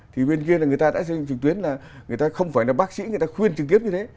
thì bên kia là người ta đã xây dựng trực tuyến là người ta không phải là bác sĩ người ta khuyên trực tiếp như thế